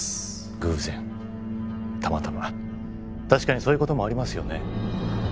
偶然たまたま確かにそういうこともありますよね